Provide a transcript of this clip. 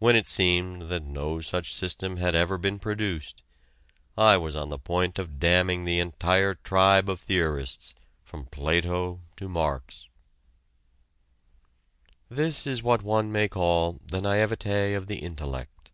When it seemed that no such system had ever been produced, I was on the point of damning the entire tribe of theorists from Plato to Marx. This is what one may call the naïveté of the intellect.